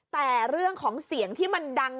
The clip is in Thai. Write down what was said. แต่เรื่องของเสียงที่มันดัง